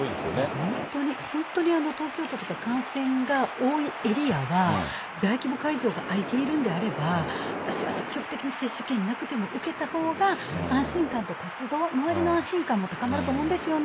本当に、本当に東京都とか、感染が多いエリアは、大規模会場が空いているんであれば、私は積極的に接種券なくても受けたほうが、安心感と活動、周りの安心感も高まると思うんですよね。